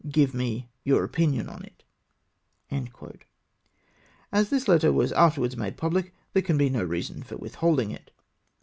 Give me your opinion on it." As this letter was afterwards made pubhc, there can be no reason for withholding it.